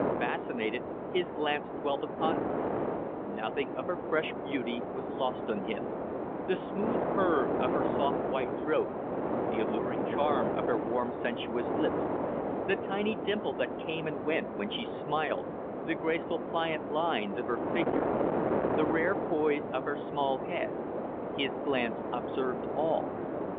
Fascinated, his glance dwelt upon her; nothing of her fresh beauty was lost on him; the smooth curve of her soft white throat, the alluring charm of her warm sensuous lips, the tiny dimple that came and went when she smiled, the graceful pliant lines of her figure, the rare poise of her small head his glance observed all.